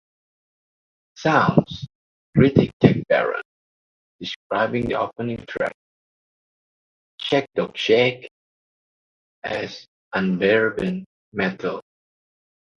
"Sounds" critic Jack Barron described the opening track "Shake Dog Shake" as "urbane metal".